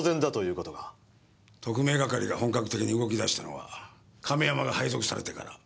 特命係が本格的に動き出したのは亀山が配属されてから。